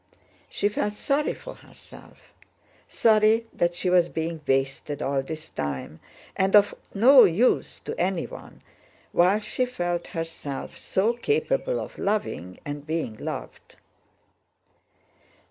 She felt sorry for herself: sorry that she was being wasted all this time and of no use to anyone—while she felt herself so capable of loving and being loved.